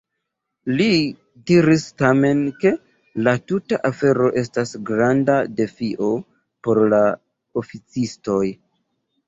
Li diris tamen, ke la tuta afero estas granda defio por la oficistoj.